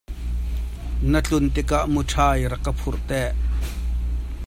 Na tlun tikah muṭhai rak ka phurh te.